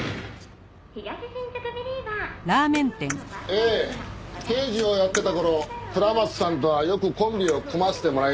ええ刑事をやってた頃下松さんとはよくコンビを組ませてもらいました。